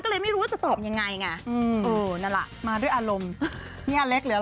เขาไม่รู้จะพูดยังไง